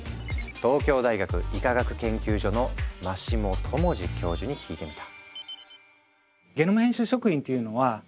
東京大学医科学研究所の真下知士教授に聞いてみた。